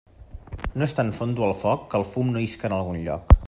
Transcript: No és tan fondo el foc que el fum no isca en algun lloc.